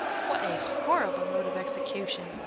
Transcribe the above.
What a horrible mode of execution!